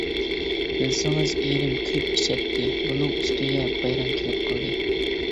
بىلسىڭىز، ئېرىم كۆپ ئىچەتتى، بۇنىڭ ئۈستىگە بايرام كېلىپ قالدى.